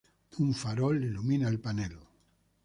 Un farol ilumina el panel.